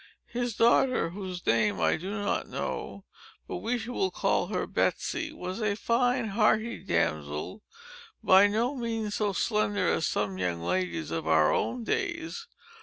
His daughter,—whose name I do not know, but we will call her Betsey,—was a fine hearty damsel, by no means so slender as some young ladies of our own days.